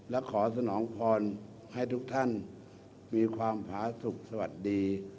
และขอสนองพรให้ทุกท่านมีความผาสุขสวัสดี